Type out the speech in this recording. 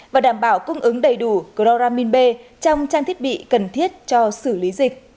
và đảm bảo cung ứng đầy đủ chloramin b trong trang thiết bị cần thiết cho xử lý dịch